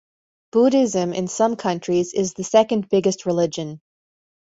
Buddhism in some countries is the second biggest religion.